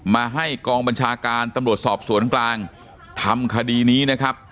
มาให้กองบัญชาการตำรวจสอบสวนกลางทำคดีนี้นะครับ